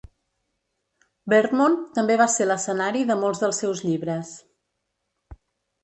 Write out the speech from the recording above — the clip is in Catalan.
Vermont també va ser l'escenari de molts dels seus llibres.